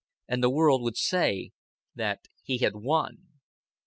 And the world would say that he had won.